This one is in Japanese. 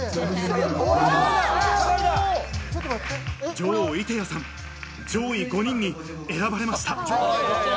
女王・射手矢さん、上位５人に選ばれました。